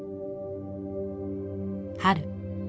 春。